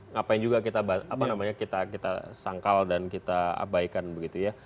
ngapain juga kita apa namanya kita sangkal dan kita abaikan begitu ya